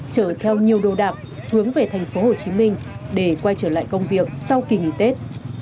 chở theo nhiều đồ đạm hướng về thành phố hồ chí minh để quay trở lại công việc sau kỳ nghỉ tết